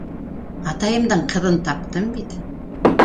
-Атайымдың ҡыҙын таптым бит.